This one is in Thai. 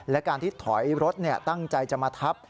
และการที่ถอยรถตั้งใจจะมาทับ